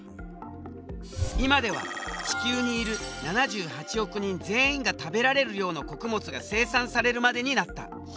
今では地球にいる７８億人全員が食べられる量の穀物が生産されるまでになった。